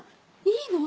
いいの？